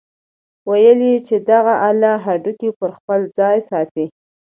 ويل يې چې دغه اله هډوکي پر خپل ځاى ساتي.